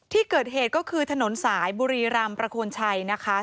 ที่เกิดเหตุก็คือถนนสายบุรีรำประโคนชัยนะคะ